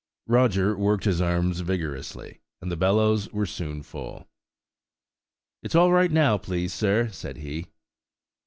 Roger worked his arms vigorously, and the bellows were soon full. "It's all right now, please, sir," said he.